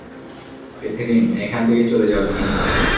Catherine, এখান থেকে চলে যাও তুমি।